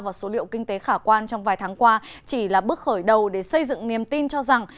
và số liệu kinh tế khả quan trong vài tháng qua chỉ là bước khởi đầu để xây dựng niềm tin cho rằng